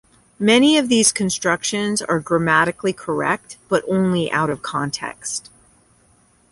Many of these constructions are grammatically correct but only out of context.